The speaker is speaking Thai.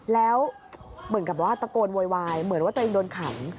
แล้วเหมือนกับว่าตะโกนโวยวายเหมือนว่าตัวเองโดนขัง